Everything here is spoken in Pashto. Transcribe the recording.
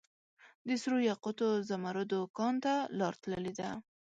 دسرو یاقوتو ، زمردو کان ته لار تللي ده